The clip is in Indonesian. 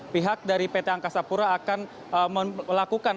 pihak dari pt angkasa pura akan melakukan